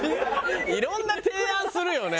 いろんな提案するよね。